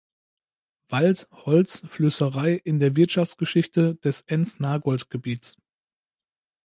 Wald, Holz, Flößerei in der Wirtschaftsgeschichte des Enz-Nagold-Gebiets".